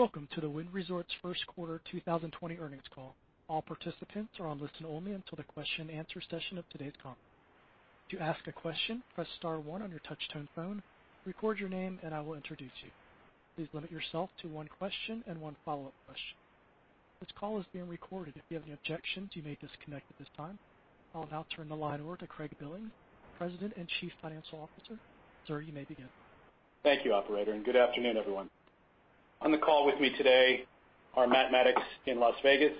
Welcome to the Wynn Resorts first quarter 2020 earnings call. All participants are on listen only until the question-answer-session of today's call. To ask a question, press star one on your touch-tone phone, record your name, and I will introduce you. Please limit yourself to one question and one follow-up question. This call is being recorded. If you have any objections, you may disconnect at this time. I'll now turn the line over to Craig Billings, President and Chief Financial Officer. Sir, you may begin. Thank you, operator, and good afternoon, everyone. On the call with me today are Matt Maddox in Las Vegas,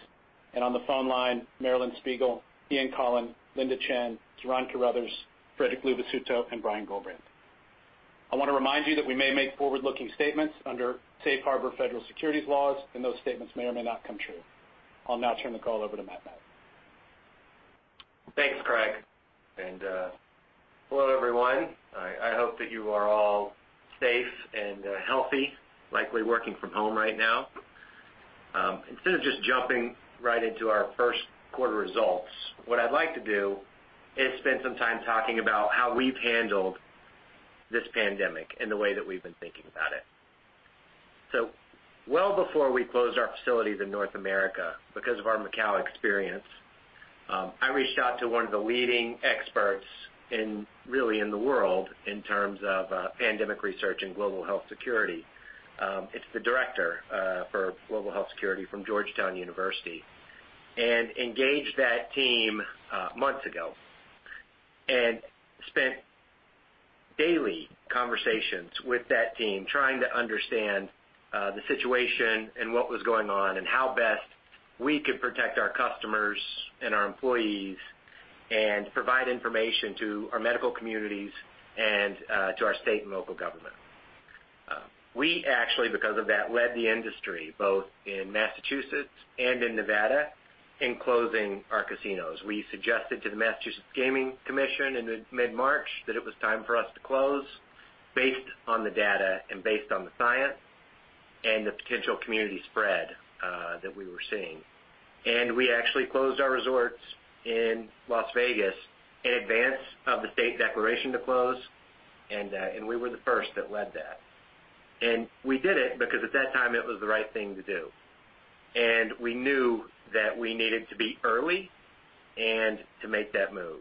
and on the phone line, Marilyn Spiegel, Ian Coughlan, Linda Chen, Ciaran Carruthers, Frederic Luvisutto, and Brian Gullbrants. I want to remind you that we may make forward-looking statements under safe harbor federal securities laws, and those statements may or may not come true. I'll now turn the call over to Matt Maddox. Thanks, Craig. Hello, everyone. I hope that you are all safe and healthy, likely working from home right now. Instead of just jumping right into our first quarter results, what I'd like to do is spend some time talking about how we've handled this pandemic and the way that we've been thinking about it. Well before we closed our facilities in North America, because of our Macau experience, I reached out to one of the leading experts really in the world in terms of pandemic research and global health security. It's the director for global health security from Georgetown University, and engaged that team months ago and spent daily conversations with that team trying to understand the situation and what was going on and how best we could protect our customers and our employees and provide information to our medical communities and to our state and local government. We actually, because of that, led the industry, both in Massachusetts and in Nevada, in closing our casinos. We suggested to the Massachusetts Gaming Commission in mid-March that it was time for us to close based on the data and based on the science and the potential community spread that we were seeing. We actually closed our resorts in Las Vegas in advance of the state declaration to close, and we were the first that led that. We did it because at that time, it was the right thing to do, and we knew that we needed to be early and to make that move.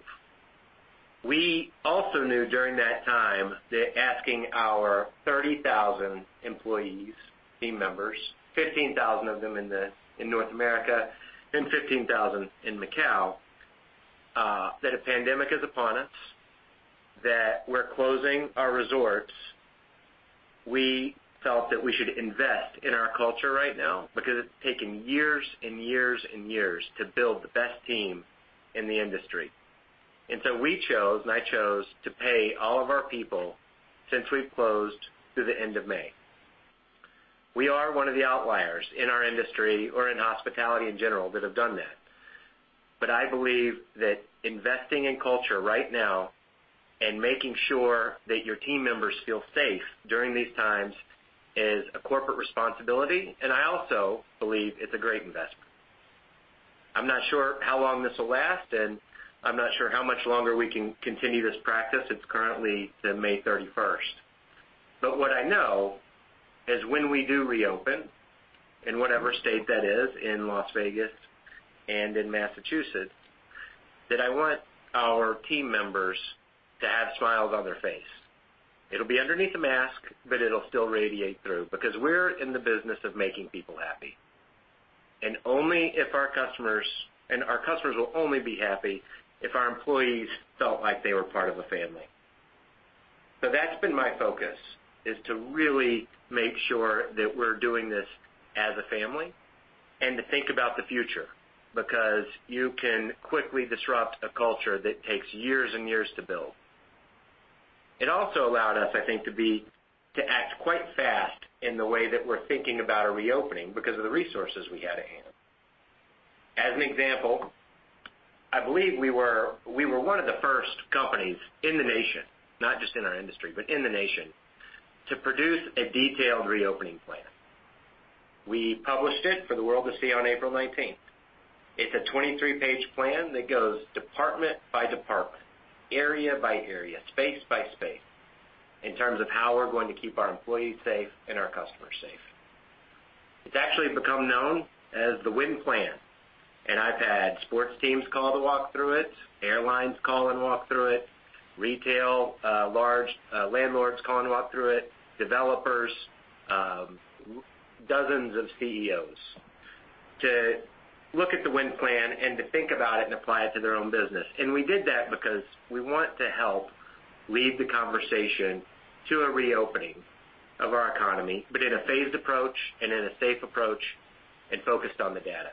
We also knew during that time that asking our 30,000 employees, team members, 15,000 of them in North America and 15,000 in Macau, that a pandemic is upon us, that we're closing our resorts. We felt that we should invest in our culture right now because it's taken years and years and years to build the best team in the industry. We chose, and I chose, to pay all of our people since we've closed through the end of May. We are one of the outliers in our industry or in hospitality in general that have done that. I believe that investing in culture right now and making sure that your team members feel safe during these times is a corporate responsibility, and I also believe it's a great investment. I'm not sure how long this will last, and I'm not sure how much longer we can continue this practice. It's currently to May 31st. What I know is when we do reopen, in whatever state that is in Las Vegas and in Massachusetts, that I want our team members to have smiles on their face. It'll be underneath a mask, but it'll still radiate through because we're in the business of making people happy. Our customers will only be happy if our employees felt like they were part of a family. That's been my focus, is to really make sure that we're doing this as a family and to think about the future, because you can quickly disrupt a culture that takes years and years to build. It also allowed us, I think, to act quite fast in the way that we're thinking about a reopening because of the resources we had at hand. As an example, I believe we were one of the first companies in the nation, not just in our industry, but in the nation, to produce a detailed reopening plan. We published it for the world to see on April 19th. It's a 23-page plan that goes department by department, area by area, space by space in terms of how we're going to keep our employees safe and our customers safe. It's actually become known as the Wynn plan, and I've had sports teams call to walk through it, airlines call and walk through it, retail, large landlords call and walk through it, developers, dozens of CEOs to look at the Wynn plan and to think about it and apply it to their own business. We did that because we want to help lead the conversation to a reopening of our economy, but in a phased approach and in a safe approach and focused on the data.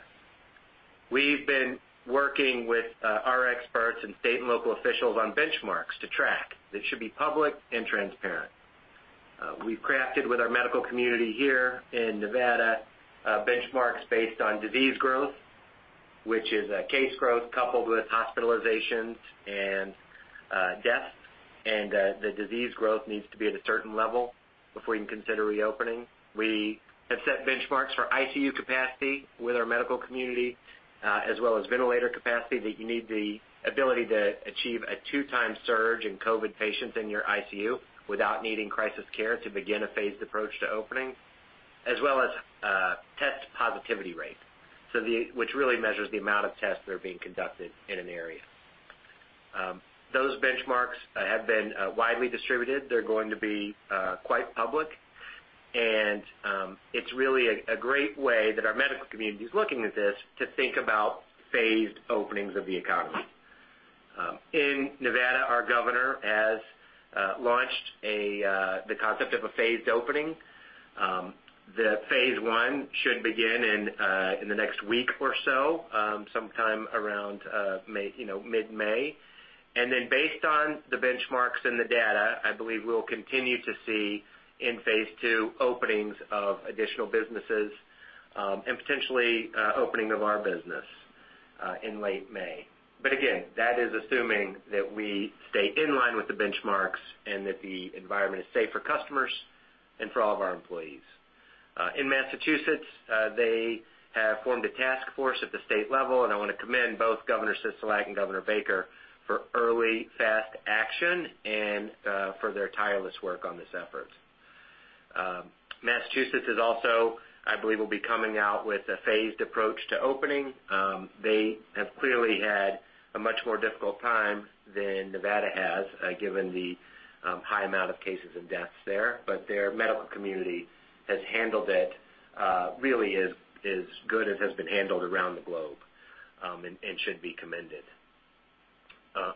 We've been working with our experts and state and local officials on benchmarks to track that should be public and transparent. We've crafted with our medical community here in Nevada benchmarks based on disease growth, which is a case growth coupled with hospitalizations and deaths, and the disease growth needs to be at a certain level before you can consider reopening. We have set benchmarks for ICU capacity with our medical community as well as ventilator capacity that you need the ability to achieve a two-time surge in COVID-19 patients in your ICU without needing crisis care to begin a phased approach to opening. As well as test positivity rate, which really measures the amount of tests that are being conducted in an area. Those benchmarks have been widely distributed. They're going to be quite public, and it's really a great way that our medical community is looking at this to think about phased openings of the economy. In Nevada, our Governor has launched the concept of a phased opening. The phase 1 should begin in the next week or so, sometime around mid-May. Based on the benchmarks and the data, I believe we'll continue to see, in phase II, openings of additional businesses, and potentially opening of our business in late May. That is assuming that we stay in line with the benchmarks and that the environment is safe for customers and for all of our employees. In Massachusetts, they have formed a task force at the state level, and I want to commend both Governor Sisolak and Governor Baker for early, fast action and for their tireless work on this effort. Massachusetts is also, I believe, will be coming out with a phased approach to opening. They have clearly had a much more difficult time than Nevada has, given the high amount of cases and deaths there. Their medical community has handled it really as good as has been handled around the globe, and should be commended.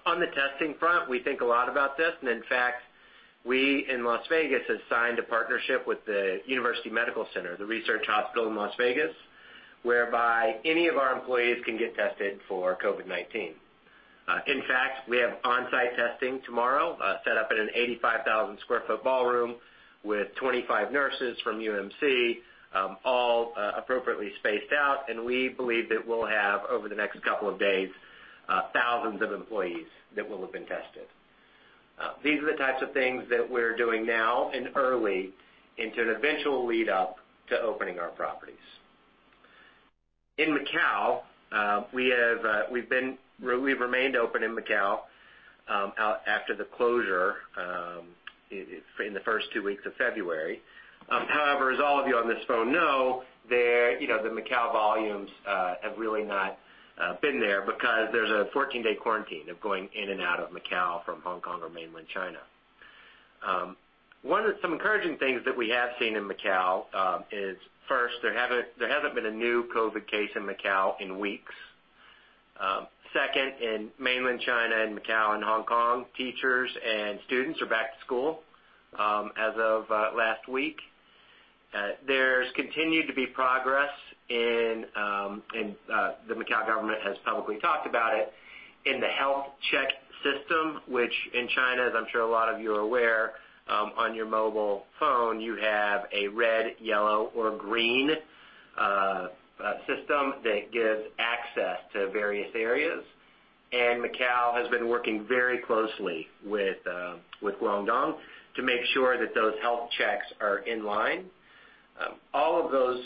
On the testing front, we think a lot about this, and in fact, we in Las Vegas have signed a partnership with the University Medical Center, the research hospital in Las Vegas, whereby any of our employees can get tested for COVID-19. In fact, we have on-site testing tomorrow set up in an 85,000 square foot ballroom with 25 nurses from UMC, all appropriately spaced out. We believe that we'll have, over the next couple of days, thousands of employees that will have been tested. These are the types of things that we're doing now and early into an eventual lead-up to opening our properties. In Macau, we've remained open in Macau, after the closure in the first two weeks of February. As all of you on this phone know, the Macau volumes have really not been there because there's a 14-day quarantine of going in and out of Macau from Hong Kong or mainland China. Some encouraging things that we have seen in Macau is, first, there hasn't been a new COVID case in Macau in weeks. Second, in mainland China and Macau and Hong Kong, teachers and students are back to school as of last week. There's continued to be progress in, the Macau government has publicly talked about it, in the health check system, which in China, as I'm sure a lot of you are aware, on your mobile phone, you have a red, yellow, or green system that gives access to various areas. Macau has been working very closely with Guangdong to make sure that those health checks are in line. All of those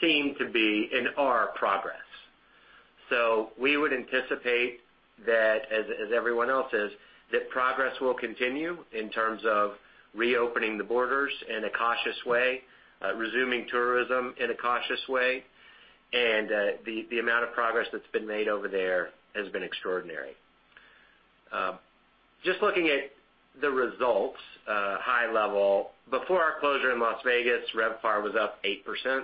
seem to be in our progress. We would anticipate that, as everyone else is, that progress will continue in terms of reopening the borders in a cautious way, resuming tourism in a cautious way. The amount of progress that's been made over there has been extraordinary. Just looking at the results, high level. Before our closure in Las Vegas, RevPAR was up 8%.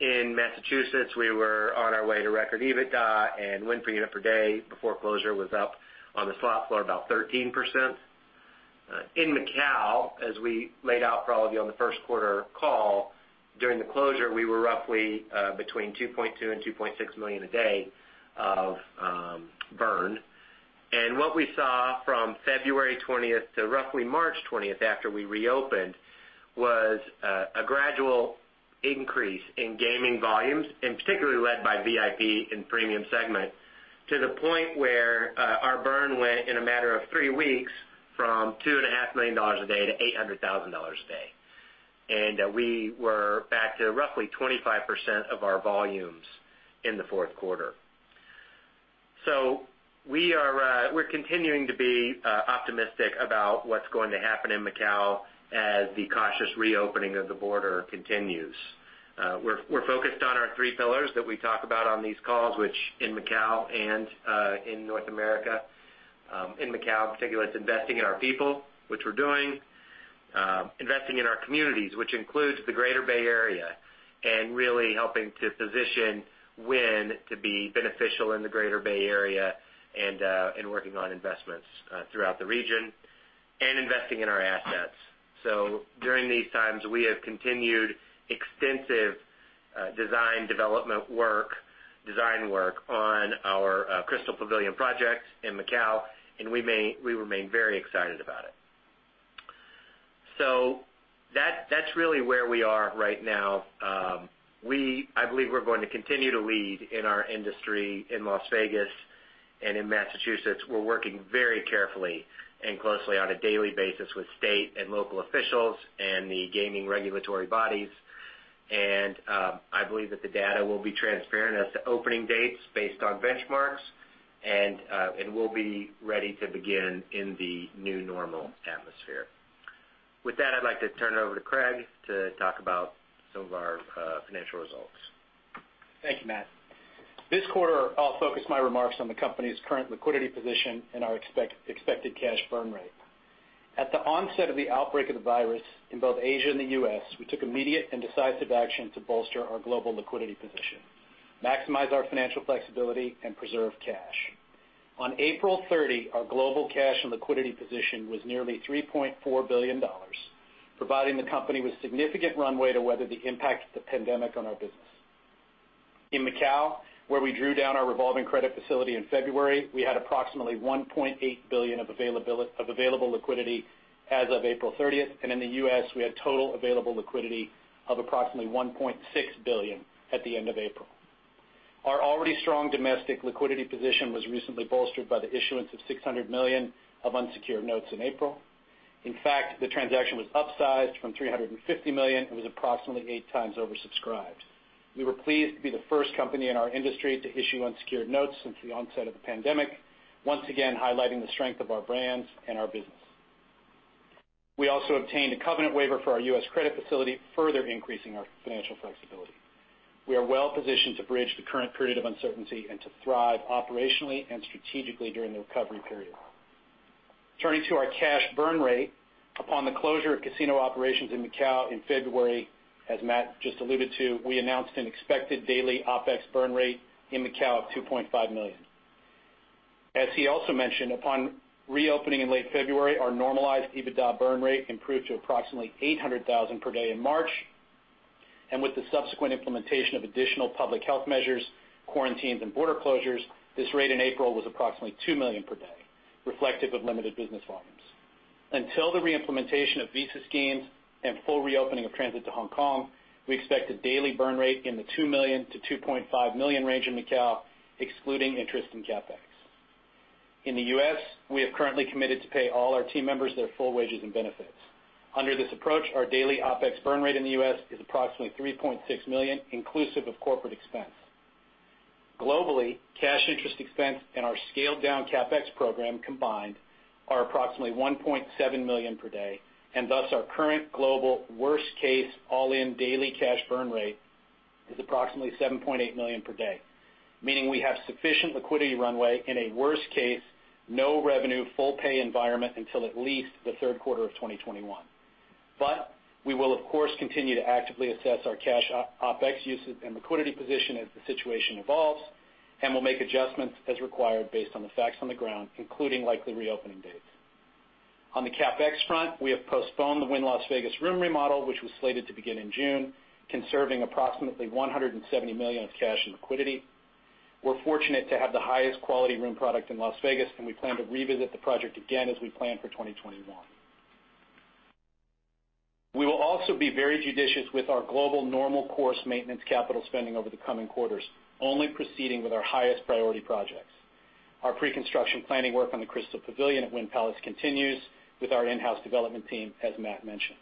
In Massachusetts, we were on our way to record EBITDA and win per unit per day before closure was up on the slot floor about 13%. In Macau, as we laid out for all of you on the first quarter call, during the closure, we were roughly between $2.2 million and $2.6 million a day of burn. What we saw from February 20th to roughly March 20th after we reopened, was a gradual increase in gaming volumes, particularly led by VIP and premium segment, to the point where our burn went, in a matter of three weeks, from $2.5 million a day to $800,000 a day. We were back to roughly 25% of our volumes in the fourth quarter. We're continuing to be optimistic about what's going to happen in Macau as the cautious reopening of the border continues. We're focused on our three pillars that we talk about on these calls, which in Macau and in North America. In Macau in particular, it's investing in our people, which we're doing. Investing in our communities, which includes the Greater Bay Area, and really helping to position Wynn to be beneficial in the Greater Bay Area and working on investments throughout the region. Investing in our assets. During these times, we have continued extensive design development work, design work on our Crystal Pavilion project in Macau, and we remain very excited about it. That's really where we are right now. I believe we're going to continue to lead in our industry in Las Vegas and in Massachusetts. We're working very carefully and closely on a daily basis with state and local officials and the gaming regulatory bodies. I believe that the data will be transparent as to opening dates based on benchmarks, and we'll be ready to begin in the new normal atmosphere. With that, I'd like to turn it over to Craig to talk about some of our financial results. Thank you, Matt. This quarter, I'll focus my remarks on the company's current liquidity position and our expected cash burn rate. At the onset of the outbreak of the virus in both Asia and the U.S., we took immediate and decisive action to bolster our global liquidity position, maximize our financial flexibility, and preserve cash. On April 30, our global cash and liquidity position was nearly $3.4 billion, providing the company with significant runway to weather the impact of the pandemic on our business. In Macau, where we drew down our revolving credit facility in February, we had approximately $1.8 billion of available liquidity as of April 30th. In the U.S., we had total available liquidity of approximately $1.6 billion at the end of April. Our already strong domestic liquidity position was recently bolstered by the issuance of $600 million of unsecured notes in April. In fact, the transaction was upsized from $350 million and was approximately eight times oversubscribed. We were pleased to be the first company in our industry to issue unsecured notes since the onset of the pandemic, once again highlighting the strength of our brands and our business. We also obtained a covenant waiver for our U.S. credit facility, further increasing our financial flexibility. We are well positioned to bridge the current period of uncertainty and to thrive operationally and strategically during the recovery period. Turning to our cash burn rate, upon the closure of casino operations in Macau in February, as Matt just alluded to, we announced an expected daily OpEx burn rate in Macau of $2.5 million. As he also mentioned, upon reopening in late February, our normalized EBITDA burn rate improved to approximately $800,000 per day in March. With the subsequent implementation of additional public health measures, quarantines, and border closures, this rate in April was approximately $2 million per day, reflective of limited business volumes. Until the re-implementation of visa schemes and full reopening of transit to Hong Kong, we expect a daily burn rate in the $2 million-$2.5 million range in Macau, excluding interest in CapEx. In the U.S., we have currently committed to pay all our team members their full wages and benefits. Under this approach, our daily OpEx burn rate in the U.S. is approximately $3.6 million, inclusive of corporate expense. Globally, cash interest expense and our scaled-down CapEx program combined are approximately $1.7 million per day, and thus our current global worst case, all-in daily cash burn rate is approximately $7.8 million per day. Meaning we have sufficient liquidity runway in a worst case, no revenue, full pay environment until at least the third quarter of 2021. We will, of course, continue to actively assess our cash OpEx usage and liquidity position as the situation evolves and will make adjustments as required based on the facts on the ground, including likely reopening dates. On the CapEx front, we have postponed the Wynn Las Vegas room remodel, which was slated to begin in June, conserving approximately $170 million of cash and liquidity. We're fortunate to have the highest quality room product in Las Vegas, and we plan to revisit the project again as we plan for 2021. We will also be very judicious with our global normal course maintenance capital spending over the coming quarters, only proceeding with our highest priority projects. Our pre-construction planning work on the Crystal Pavilion at Wynn Palace continues with our in-house development team, as Matt mentioned.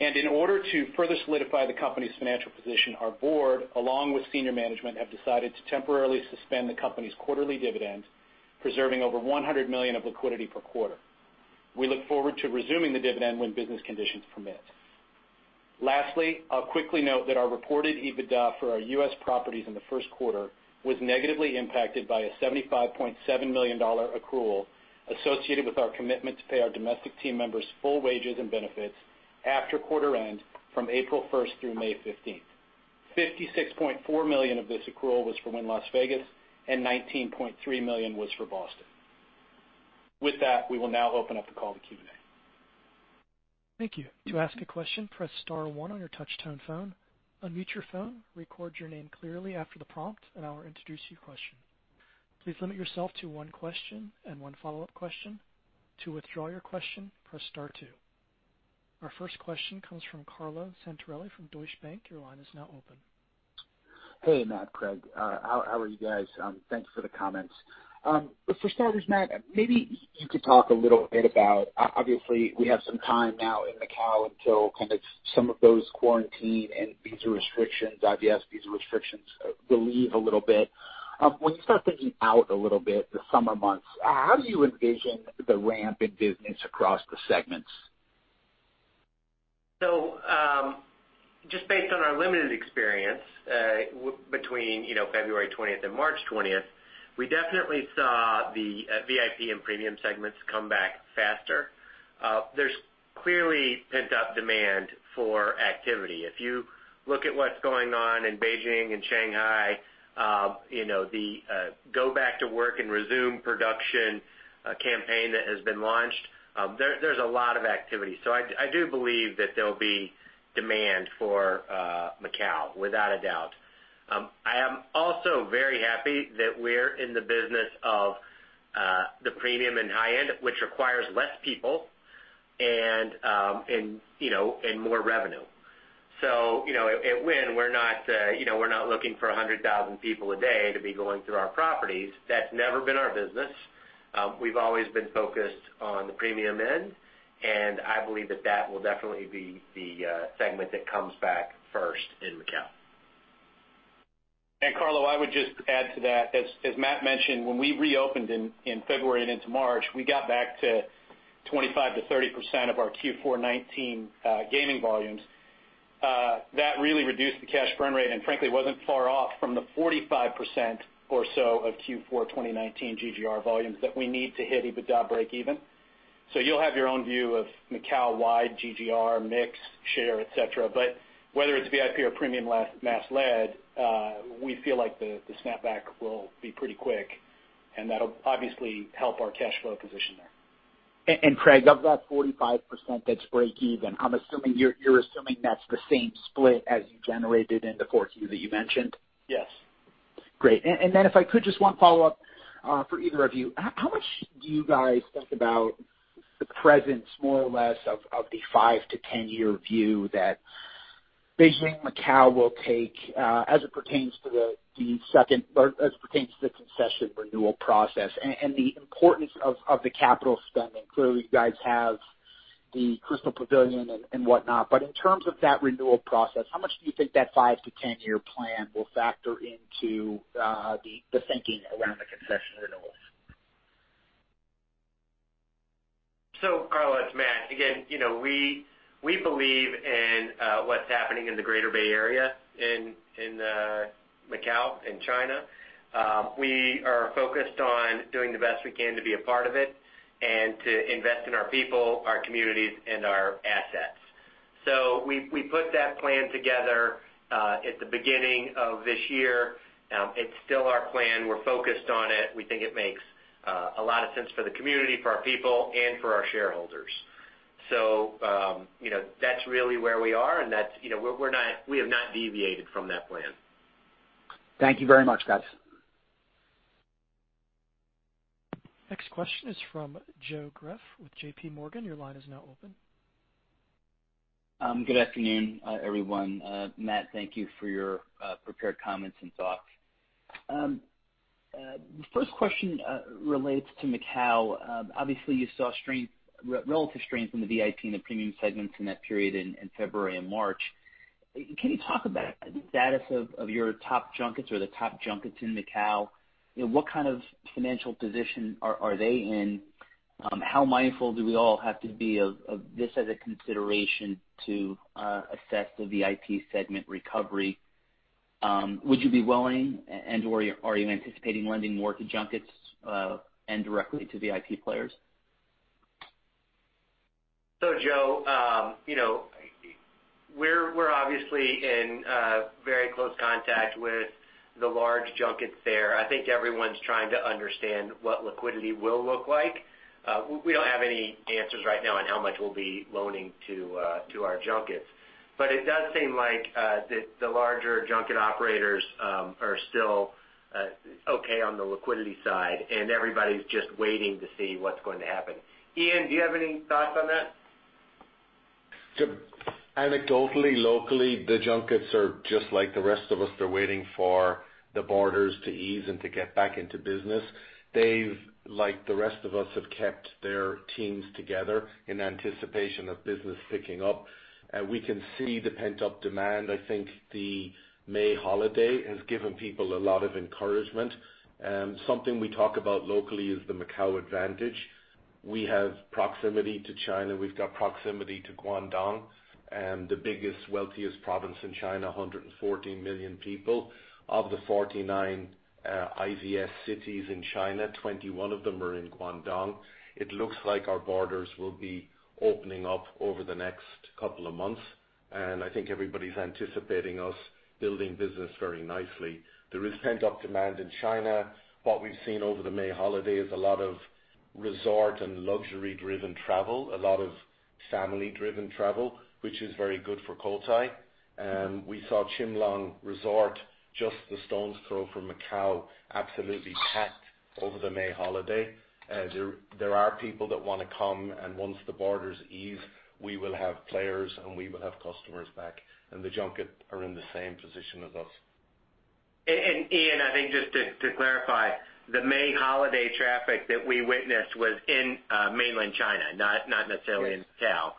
In order to further solidify the company's financial position, our board, along with senior management, have decided to temporarily suspend the company's quarterly dividend, preserving over $100 million of liquidity per quarter. We look forward to resuming the dividend when business conditions permit. Lastly, I'll quickly note that our reported EBITDA for our U.S. properties in the first quarter was negatively impacted by a $75.7 million accrual associated with our commitment to pay our domestic team members full wages and benefits after quarter end from April 1st through May 15th. $56.4 million of this accrual was from Wynn Las Vegas and $19.3 million was for Boston. With that, we will now open up the call to Q&A. Thank you. To ask a question, press star one on your touch-tone phone. Unmute your phone, record your name clearly after the prompt, and I will introduce your question. Please limit yourself to one question and one follow-up question. To withdraw your question, press star two. Our first question comes from Carlo Santarelli from Deutsche Bank. Your line is now open. Hey, Matt, Craig. How are you guys? Thanks for the comments. For starters, Matt, maybe you could talk a little bit about, obviously, we have some time now in Macau until kind of some of those quarantine and visa restrictions, IVS visa restrictions, relieve a little bit. When you start thinking out a little bit, the summer months, how do you envision the ramp in business across the segments? Just based on our limited experience, between February 20th and March 20th, we definitely saw the VIP and premium segments come back faster. There's clearly pent-up demand for activity. If you look at what's going on in Beijing and Shanghai, the go back to work and resume production campaign that has been launched, there's a lot of activity. I do believe that there will be demand for Macau, without a doubt. I am also very happy that we're in the business of the premium and high end, which requires less people and more revenue. At Wynn, we're not looking for 100,000 people a day to be going through our properties. That's never been our business. We've always been focused on the premium end, and I believe that that will definitely be the segment that comes back first in Macau. Carlo, I would just add to that, as Matt mentioned, when we reopened in February and into March, we got back to 25%-30% of our Q4 2019 gaming volumes. That really reduced the cash burn rate and frankly, wasn't far off from the 45% or so of Q4 2019 GGR volumes that we need to hit EBITDA breakeven. You'll have your own view of Macau-wide GGR mix, share, et cetera. Whether it's VIP or premium mass-led, we feel like the snapback will be pretty quick, and that'll obviously help our cash flow position there. Craig, of that 45% that's breakeven, I'm assuming you're assuming that's the same split as you generated in the 4Q that you mentioned? Yes. Great. If I could, just one follow-up for either of you. How much do you guys think about the presence, more or less, of the five to 10-year view that Beijing, Macau will take as it pertains to the concession renewal process and the importance of the capital spending? Clearly, you guys have the Crystal Pavilion and whatnot. In terms of that renewal process, how much do you think that five to 10-year plan will factor into the thinking around the concession renewals? Carlo, it's Matt. Again, we believe in what's happening in the Greater Bay Area in Macau, in China. We are focused on doing the best we can to be a part of it and to invest in our people, our communities, and our assets. We put that plan together, at the beginning of this year. It's still our plan. We're focused on it. We think it makes a lot of sense for the community, for our people, and for our shareholders. That's really where we are and we have not deviated from that plan. Thank you very much, guys. Next question is from Joe Greff with JPMorgan. Your line is now open. Good afternoon, everyone. Matt, thank you for your prepared comments and thoughts. The first question relates to Macau. Obviously, you saw relative strength in the VIP and the premium segments in that period in February and March. Can you talk about the status of your top junkets or the top junkets in Macau? What kind of financial position are they in? How mindful do we all have to be of this as a consideration to assess the VIP segment recovery? Would you be willing and/or are you anticipating lending more to junkets, and directly to VIP players? Joe, we're obviously in very close contact with the large junkets there. I think everyone's trying to understand what liquidity will look like. We don't have any answers right now on how much we'll be loaning to our junkets. It does seem like the larger junket operators are still okay on the liquidity side and everybody's just waiting to see what's going to happen. Ian, do you have any thoughts on that? Anecdotally, locally, the junkets are just like the rest of us. They're waiting for the borders to ease and to get back into business. They've, like the rest of us, have kept their teams together in anticipation of business picking up. We can see the pent-up demand. I think the May holiday has given people a lot of encouragement. Something we talk about locally is the Macau advantage. We have proximity to China. We've got proximity to Guangdong, the biggest, wealthiest province in China, 114 million people. Of the 49 IVS cities in China, 21 of them are in Guangdong. It looks like our borders will be opening up over the next couple of months, and I think everybody's anticipating us building business very nicely. There is pent-up demand in China. What we've seen over the May holiday is a lot of resort and luxury-driven travel, a lot of family-driven travel, which is very good for Cotai. We saw Chimelong Resort, just a stone's throw from Macau, absolutely packed over the May holiday. There are people that want to come, and once the borders ease, we will have players and we will have customers back, and the junket are in the same position as us. Ian, I think just to clarify, the May holiday traffic that we witnessed was in mainland China, not necessarily in Macau.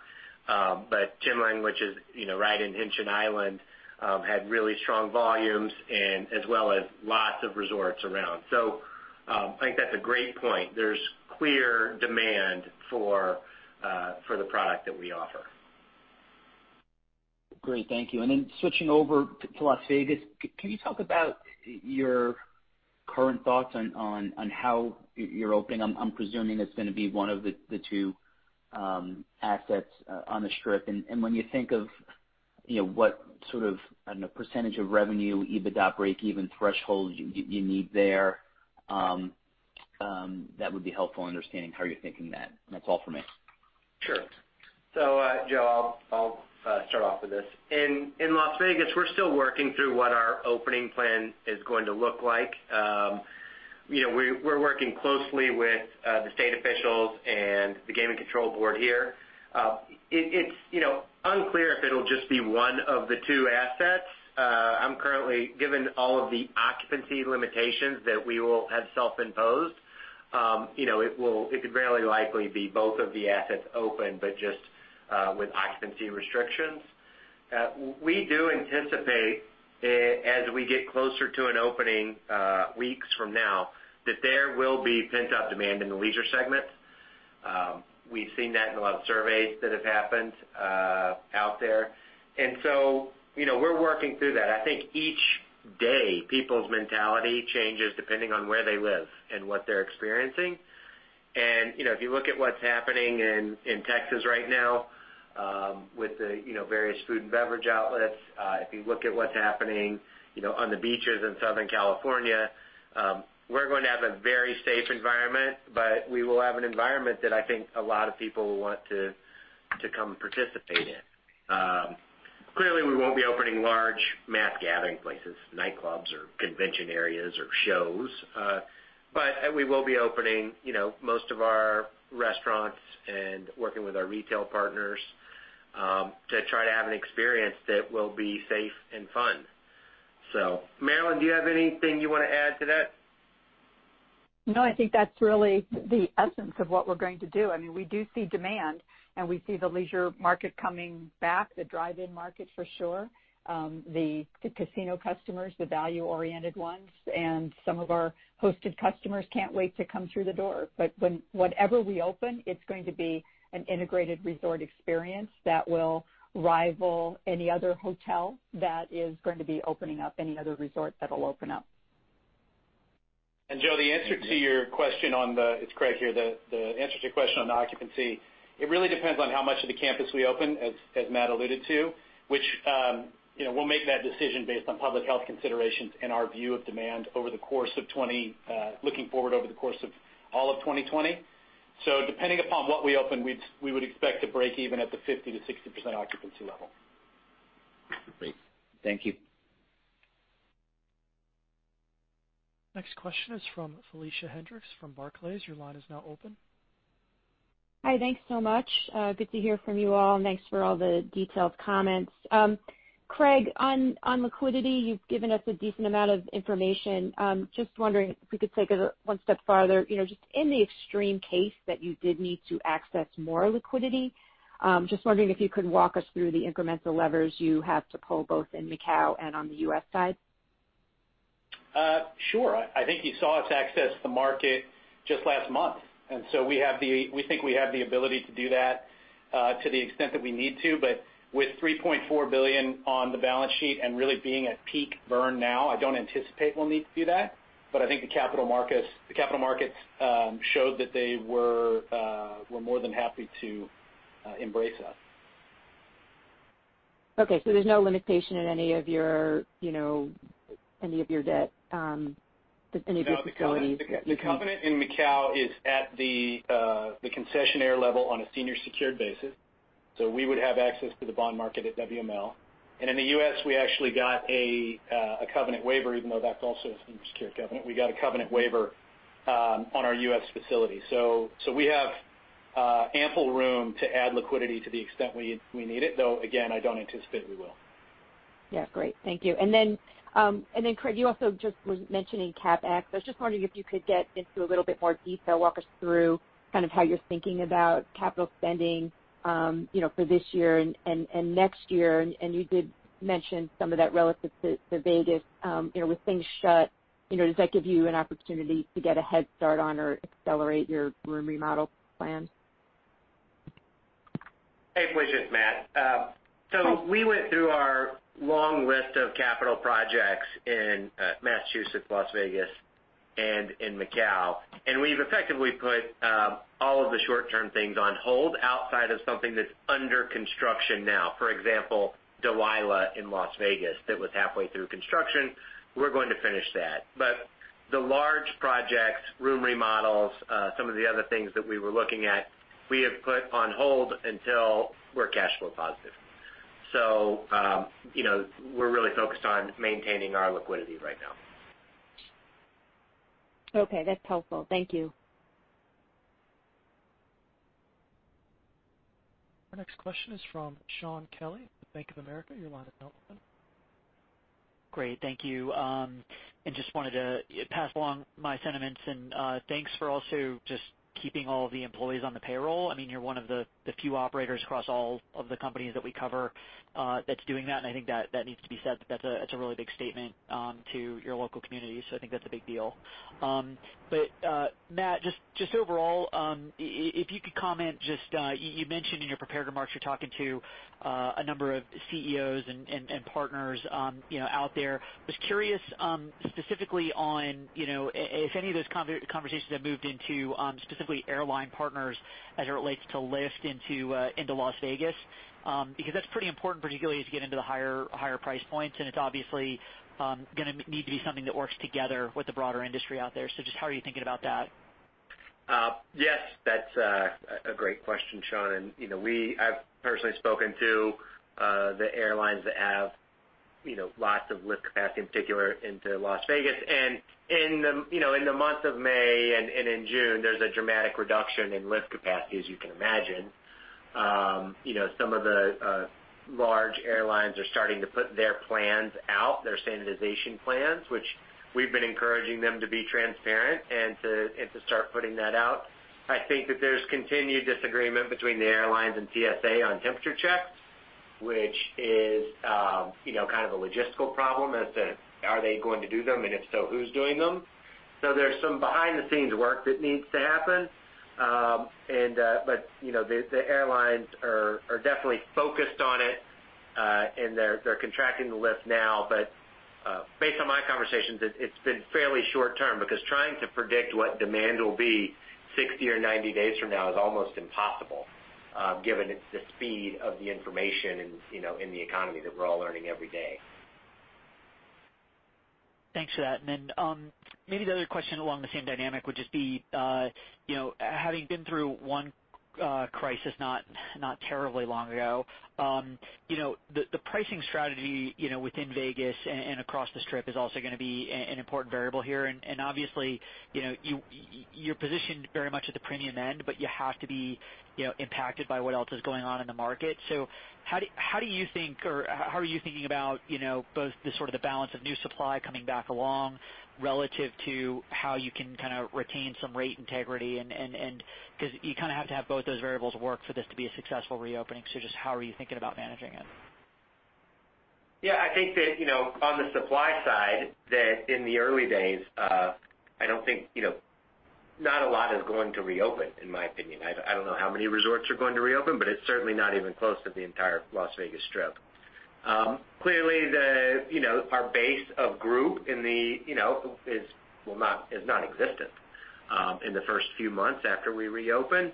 Chimelong, which is right in Hengqin Island, had really strong volumes as well as lots of resorts around. I think that's a great point. There's clear demand for the product that we offer. Great. Thank you. Then switching over to Las Vegas, can you talk about your current thoughts on how you're opening? I'm presuming it's going to be one of the two assets on the Strip. When you think of what sort of percentage of revenue, EBITDA, breakeven threshold you need there, that would be helpful in understanding how you're thinking that. That's all from me. Sure. Joe, I'll start off with this. In Las Vegas, we're still working through what our opening plan is going to look like. We're working closely with the state officials and the Gaming Control Board here. It's unclear if it'll just be one of the two assets. Certainly, given all of the occupancy limitations that we will have self-imposed, it could very likely be both of the assets open, but just with occupancy restrictions. We do anticipate as we get closer to an opening weeks from now that there will be pent-up demand in the leisure segment. We've seen that in a lot of surveys that have happened out there. We're working through that. I think each day, people's mentality changes depending on where they live and what they're experiencing. If you look at what's happening in Texas right now with the various food and beverage outlets, if you look at what's happening on the beaches in Southern California, we're going to have a very safe environment, but we will have an environment that I think a lot of people will want to come participate in. Clearly, we won't be opening large mass gathering places, nightclubs or convention areas or shows. We will be opening most of our restaurants and working with our retail partners to try to have an experience that will be safe and fun. Marilyn, do you have anything you want to add to that? I think that's really the essence of what we're going to do. I mean, we do see demand, and we see the leisure market coming back, the drive-in market for sure. The casino customers, the value-oriented ones, and some of our hosted customers can't wait to come through the door. Whatever we open, it's going to be an integrated resort experience that will rival any other hotel that is going to be opening up any other resort that'll open up. Joe, it's Craig here. The answer to your question on the occupancy, it really depends on how much of the campus we open, as Matt alluded to, which we'll make that decision based on public health considerations and our view of demand looking forward over the course of all of 2020. Depending upon what we open, we would expect to break even at the 50%-60% occupancy level. Great. Thank you. Next question is from Felicia Hendrix from Barclays. Your line is now open. Hi, thanks so much. Good to hear from you all, and thanks for all the detailed comments. Craig, on liquidity, you've given us a decent amount of information. Just wondering if we could take it one step farther. Just in the extreme case that you did need to access more liquidity, just wondering if you could walk us through the incremental levers you have to pull, both in Macau and on the U.S. side? Sure. I think you saw us access the market just last month. We think we have the ability to do that to the extent that we need to. With $3.4 billion on the balance sheet and really being at peak burn now, I don't anticipate we'll need to do that. I think the capital markets showed that they were more than happy to embrace us. Okay, there's no limitation in any of your debt, just any of your facilities. No, the covenant in Macau is at the concessionaire level on a senior secured basis. We would have access to the bond market at WML. In the U.S., we actually got a covenant waiver, even though that's also a senior secured covenant. We got a covenant waiver on our U.S. facility. We have ample room to add liquidity to the extent we need it, though, again, I don't anticipate we will. Yeah. Great. Thank you. Craig, you also just were mentioning CapEx. I was just wondering if you could get into a little bit more detail, walk us through kind of how you're thinking about capital spending for this year and next year, and you did mention some of that relative to Vegas. With things shut, does that give you an opportunity to get a head start on or accelerate your room remodel plans? Hey, Felicia, it's Matt. We went through our long list of capital projects in Massachusetts, Las Vegas, and in Macau, and we've effectively put all of the short-term things on hold outside of something that's under construction now. For example, Delilah in Las Vegas, that was halfway through construction, we're going to finish that. The large projects, room remodels, some of the other things that we were looking at, we have put on hold until we're cash flow positive. We're really focused on maintaining our liquidity right now. Okay. That's helpful. Thank you. Our next question is from Shaun Kelley at Bank of America. Your line is now open. Great. Thank you. Just wanted to pass along my sentiments, and thanks for also just keeping all the employees on the payroll. I mean, you're one of the few operators across all of the companies that we cover that's doing that, and I think that needs to be said. That's a really big statement to your local community. I think that's a big deal. Matt, just overall, if you could comment, just you mentioned in your prepared remarks, you're talking to a number of CEOs and partners out there. Just curious specifically on if any of those conversations have moved into specifically airline partners as it relates to lift into Las Vegas. Because that's pretty important, particularly as you get into the higher price points, and it's obviously going to need to be something that works together with the broader industry out there. Just how are you thinking about that? Yes, that's a great question, Shaun. I've personally spoken to the airlines that have lots of lift capacity, in particular into Las Vegas. In the month of May and in June, there's a dramatic reduction in lift capacity, as you can imagine. Some of the large airlines are starting to put their plans out, their standardization plans, which we've been encouraging them to be transparent and to start putting that out. I think that there's continued disagreement between the airlines and TSA on temperature checks, which is kind of a logistical problem as to are they going to do them, and if so, who's doing them? There's some behind-the-scenes work that needs to happen. The airlines are definitely focused on it, and they're contracting the lift now. Based on my conversations, it's been fairly short-term, because trying to predict what demand will be 60 or 90 days from now is almost impossible given the speed of the information in the economy that we're all learning every day. Thanks for that. Maybe the other question along the same dynamic would just be, having been through one crisis not terribly long ago, the pricing strategy within Vegas and across the Strip is also going to be an important variable here. Obviously, you're positioned very much at the premium end, but you have to be impacted by what else is going on in the market. How are you thinking about both the sort of the balance of new supply coming back along relative to how you can kind of retain some rate integrity? Because you kind of have to have both those variables work for this to be a successful reopening. Just how are you thinking about managing it? Yeah, I think that on the supply side, that in the early days, I don't think not a lot is going to reopen in my opinion. I don't know how many resorts are going to reopen, but it's certainly not even close to the entire Las Vegas Strip. Clearly, our base of group is non-existent in the first few months after we reopen.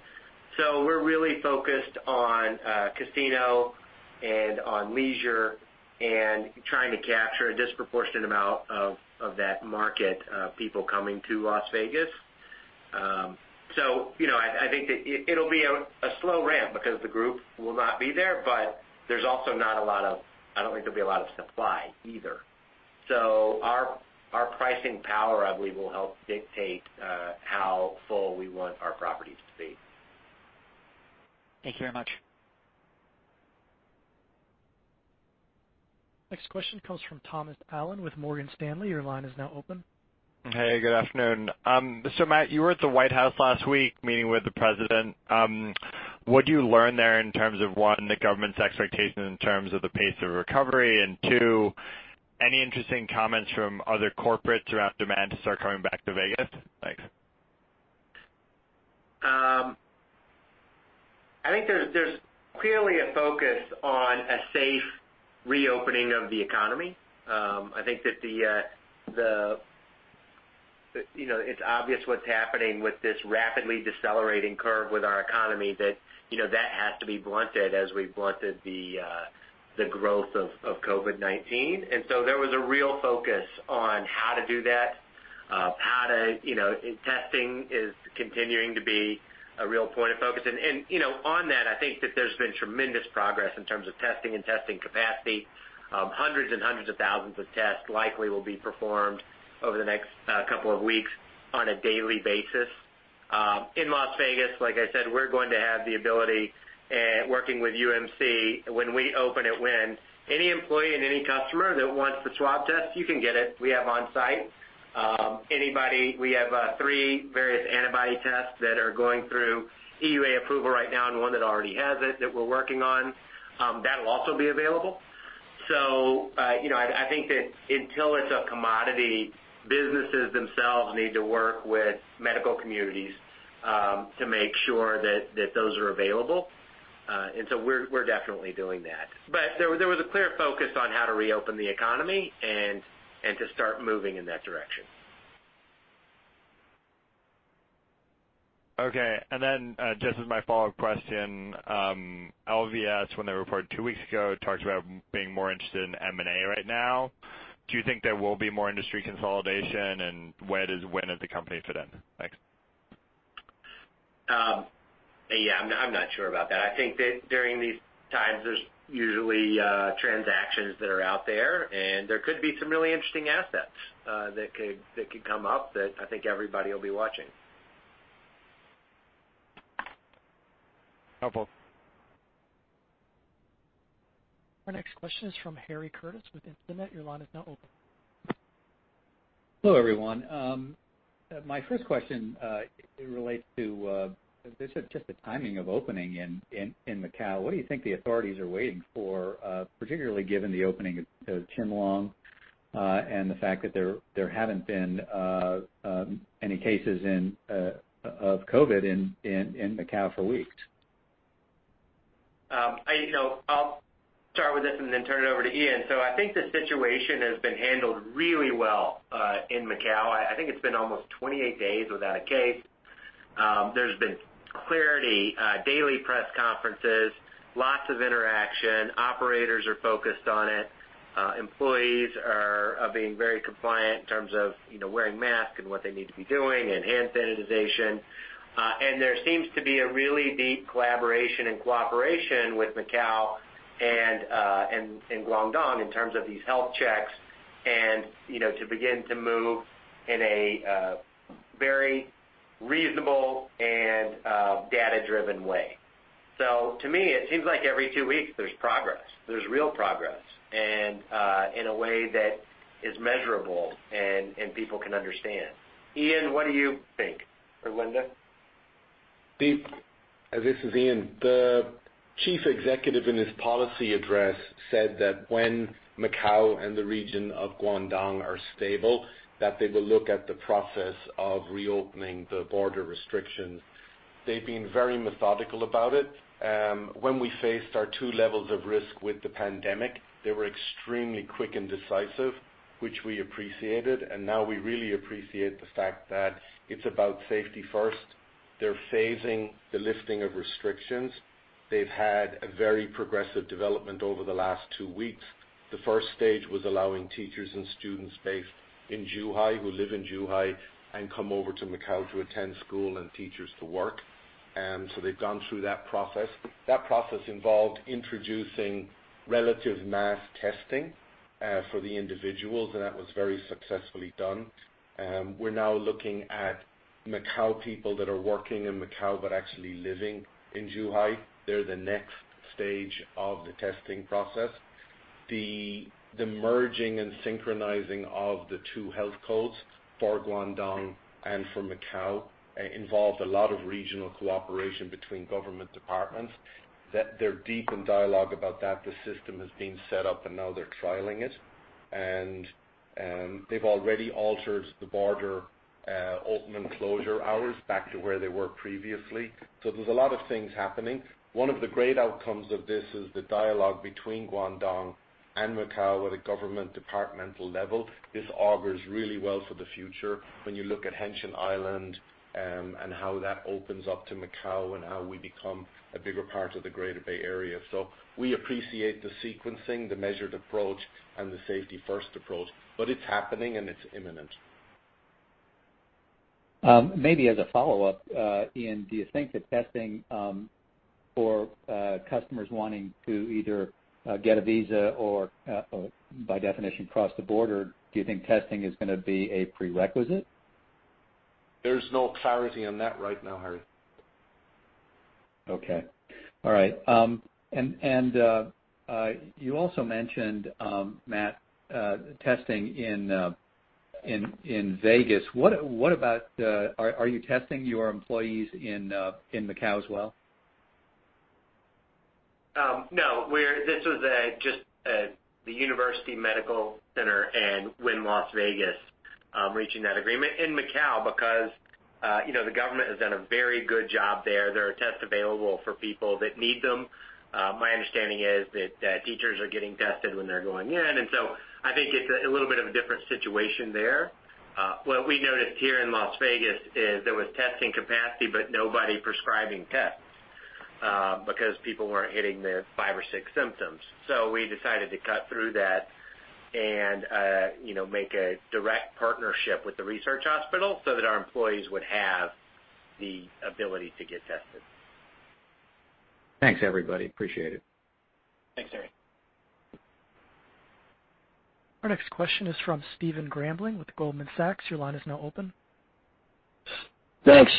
We're really focused on casino and on leisure and trying to capture a disproportionate amount of that market of people coming to Las Vegas. I think that it'll be a slow ramp because the group will not be there, but I don't think there'll be a lot of supply either. Our pricing power, I believe, will help dictate how full we want our properties to be. Thank you very much. Next question comes from Thomas Allen with Morgan Stanley. Your line is now open. Hey, good afternoon. Matt, you were at the White House last week meeting with the President. What did you learn there in terms of, one, the government's expectations in terms of the pace of recovery, and two, any interesting comments from other corporates around demand to start coming back to Vegas? Thanks. I think there's clearly a focus on a safe reopening of the economy. I think that it's obvious what's happening with this rapidly decelerating curve with our economy that has to be blunted as we've blunted the growth of COVID-19. There was a real focus on how to do that. Testing is continuing to be a real point of focus. On that, I think that there's been tremendous progress in terms of testing and testing capacity. Hundreds and hundreds of thousands of tests likely will be performed over the next couple of weeks on a daily basis. In Las Vegas, like I said, we're going to have the ability, working with UMC, when we open at Wynn, any employee and any customer that wants the swab test, you can get it. We have on-site. We have three various antibody tests that are going through EUA approval right now and one that already has it that we're working on. That'll also be available. I think that until it's a commodity, businesses themselves need to work with medical communities to make sure that those are available. We're definitely doing that. There was a clear focus on how to reopen the economy and to start moving in that direction. Okay, just as my follow-up question, LVS, when they reported two weeks ago, talked about being more interested in M&A right now. Do you think there will be more industry consolidation? Where does Wynn as a company fit in? Thanks. Yeah, I'm not sure about that. I think that during these times, there's usually transactions that are out there, and there could be some really interesting assets that could come up that I think everybody will be watching. Helpful. Our next question is from Harry Curtis with Instinet. Your line is now open. Hello, everyone. My first question relates to just the timing of opening in Macau. What do you think the authorities are waiting for, particularly given the opening of the Tim Ho Wan and the fact that there haven't been any cases of COVID in Macau for weeks? I'll start with this and then turn it over to Ian. I think the situation has been handled really well in Macau. I think it's been almost 28 days without a case. There's been clarity, daily press conferences, lots of interaction. Operators are focused on it. Employees are being very compliant in terms of wearing masks and what they need to be doing and hand sanitization. There seems to be a really deep collaboration and cooperation with Macau and Guangdong in terms of these health checks and to begin to move in a very reasonable and data-driven way. To me, it seems like every two weeks there's progress. There's real progress, and in a way that is measurable and people can understand. Ian, what do you think? Or Linda? This is Ian. The chief executive in his policy address said that when Macau and the region of Guangdong are stable, that they will look at the process of reopening the border restrictions. They've been very methodical about it. When we faced our two levels of risk with the pandemic, they were extremely quick and decisive, which we appreciated, and now we really appreciate the fact that it's about safety first. They're phasing the lifting of restrictions. They've had a very progressive development over the last two weeks. The first stage was allowing teachers and students based in Zhuhai, who live in Zhuhai and come over to Macau to attend school and teachers to work. They've gone through that process. That process involved introducing relative mass testing, for the individuals, and that was very successfully done. We're now looking at Macau people that are working in Macau but actually living in Zhuhai. They're the next stage of the testing process. The merging and synchronizing of the two health codes for Guangdong and for Macau involved a lot of regional cooperation between government departments. They're deep in dialogue about that. The system has been set up and now they're trialing it. They've already altered the border open and closure hours back to where they were previously. There's a lot of things happening. One of the great outcomes of this is the dialogue between Guangdong and Macau at a government departmental level. This augurs really well for the future when you look at Hengqin Island, and how that opens up to Macau and how we become a bigger part of the Greater Bay Area. We appreciate the sequencing, the measured approach, and the safety-first approach. It's happening, and it's imminent. Maybe as a follow-up, Ian, do you think that testing for customers wanting to either get a visa or by definition cross the border, do you think testing is going to be a prerequisite? There's no clarity on that right now, Harry. Okay. All right. You also mentioned, Matt, testing in Vegas. Are you testing your employees in Macau as well? No. This was just the University Medical Center and Wynn Las Vegas reaching that agreement. In Macau, because the government has done a very good job there. There are tests available for people that need them. My understanding is that teachers are getting tested when they're going in. I think it's a little bit of a different situation there. What we noticed here in Las Vegas is there was testing capacity, but nobody prescribing tests, because people weren't hitting the five or six symptoms. We decided to cut through that and make a direct partnership with the research hospital so that our employees would have the ability to get tested. Thanks, everybody. Appreciate it. Thanks, Harry. Our next question is from Stephen Grambling with Goldman Sachs. Your line is now open. Thanks.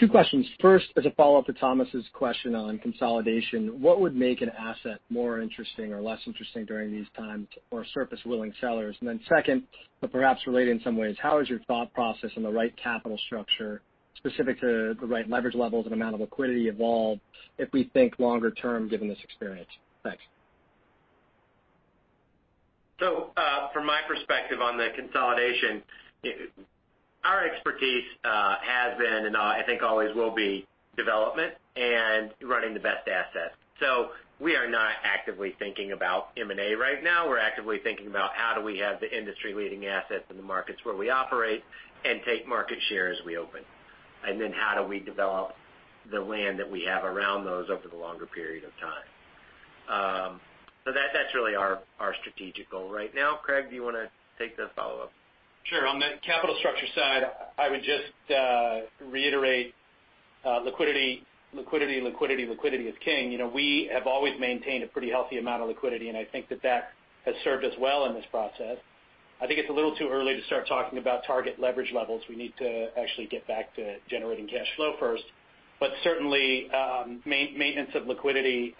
Two questions. First, as a follow-up to Thomas's question on consolidation, what would make an asset more interesting or less interesting during these times or surface willing sellers? Second, but perhaps related in some ways, how has your thought process on the right capital structure, specific to the right leverage levels and amount of liquidity evolved if we think longer term given this experience? Thanks. From my perspective on the consolidation, our expertise has been, and I think always will be, development and running the best asset. We are not actively thinking about M&A right now. We're actively thinking about how do we have the industry-leading assets in the markets where we operate and take market share as we open. How do we develop the land that we have around those over the longer period of time? That's really our strategic goal right now. Craig, do you want to take the follow-up? Sure. On the capital structure side, I would just reiterate liquidity is king. We have always maintained a pretty healthy amount of liquidity, and I think that that has served us well in this process. I think it's a little too early to start talking about target leverage levels. We need to actually get back to generating cash flow first. Certainly, maintenance of liquidity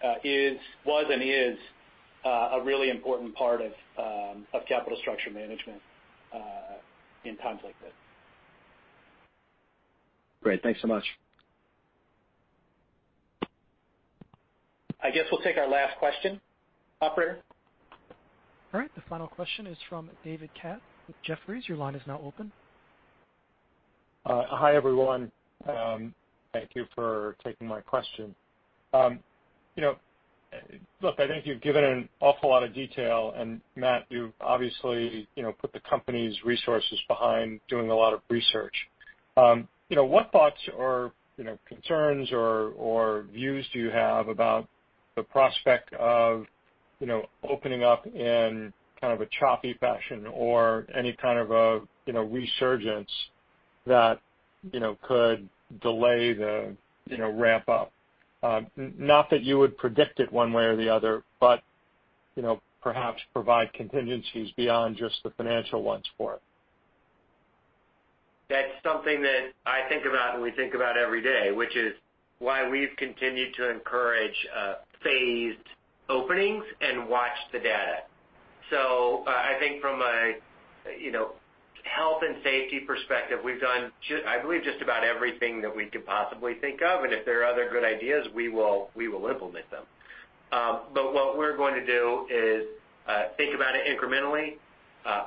was and is a really important part of capital structure management in times like this. Great. Thanks so much. I guess we'll take our last question. Operator? All right. The final question is from David Katz with Jefferies. Your line is now open. Hi, everyone. Thank you for taking my question. I think you've given an awful lot of detail, Matt, you've obviously put the company's resources behind doing a lot of research. What thoughts or concerns or views do you have about the prospect of opening up in kind of a choppy fashion or any kind of a resurgence that could delay the ramp up? Not that you would predict it one way or the other, perhaps provide contingencies beyond just the financial ones for it. That's something that I think about and we think about every day, which is why we've continued to encourage phased openings and watch the data. I think from a health and safety perspective, we've done I believe just about everything that we could possibly think of, and if there are other good ideas, we will implement them. What we're going to do is think about it incrementally,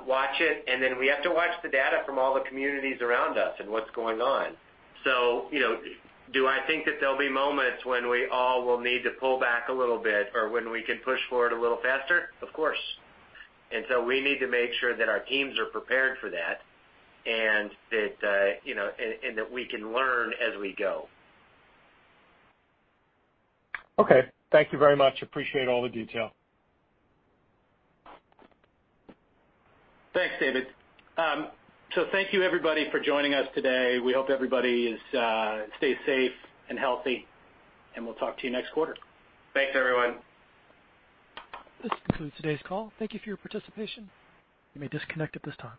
watch it, and then we have to watch the data from all the communities around us and what's going on. Do I think that there'll be moments when we all will need to pull back a little bit or when we can push forward a little faster? Of course. We need to make sure that our teams are prepared for that and that we can learn as we go. Okay. Thank you very much. Appreciate all the detail. Thanks, David. Thank you everybody for joining us today. We hope everybody stays safe and healthy, and we'll talk to you next quarter. Thanks, everyone. This concludes today's call. Thank you for your participation. You may disconnect at this time.